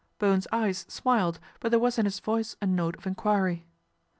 Bowen's eyes smiled ; but there was in his voice a note of enquiry.